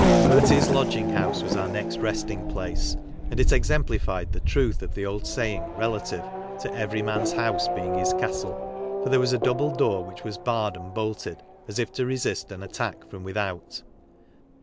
Murty's lodging house was our next resting place, aDd it exemplified the truth of the old saying rela j tive to " every man's house being his castle," for there was a double door which was barred and bolted as if to resist an attack from without.